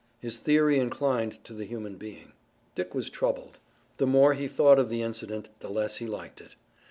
His theory inclined to the human being. Dick was troubled. The more he thought of the incident the less he liked it.